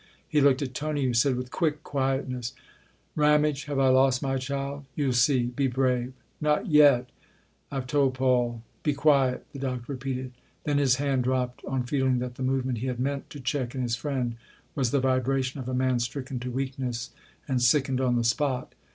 He looked at Tony, who said with quick quietness " Ramage, have I lost my child ?"" You '11 see be brave. Not yet I've told Paul. 254 THE OTHER HOUSE Be quiet !" the Doctor repeated ; then his hand dropped on feeling that the movement he had meant to check in his friend was the vibration of a man stricken to weakness and sickened on the spot.